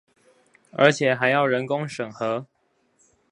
而且還要人工審核